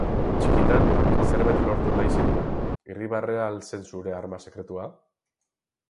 Txikitan, zerbait lortu nahi zenuen, irribarrea al zen zure arma sekretua?